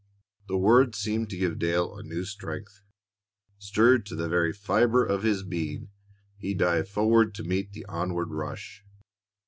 The words seemed to give Dale a new strength. Stirred to the very fiber of his being, he dived forward to meet the onward rush.